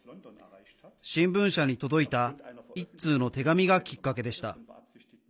新聞社に届いた一通の手紙がきっかけでした。